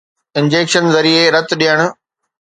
injection ذريعي رت ڏيڻ